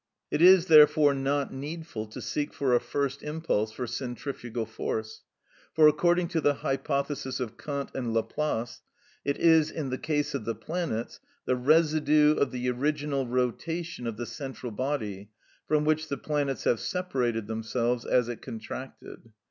It is, therefore, not needful to seek for a first impulse for centrifugal force, for, according to the hypothesis of Kant and Laplace, it is, in the case of the planets, the residue of the original rotation of the central body, from which the planets have separated themselves as it contracted.